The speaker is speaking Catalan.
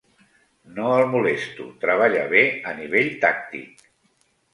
No el molesto, treballa bé a nivell tàctic.